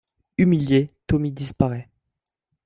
Humilié, Tommy disparaît.